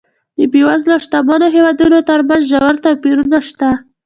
د بېوزلو او شتمنو هېوادونو ترمنځ ژور توپیرونه شته.